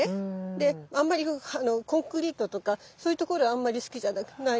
であんまりコンクリートとかそういう所はあんまり好きじゃなくって。